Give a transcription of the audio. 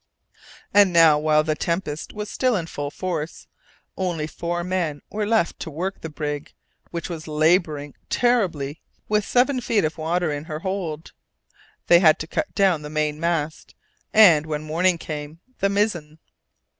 And now, while the tempest was in full force, only four men were left to work the brig, which was labouring terribly with seven feet of water in her hold. They had to cut down the mainmast, and, when morning came, the mizen.